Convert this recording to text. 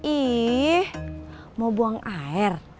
ih mau buang air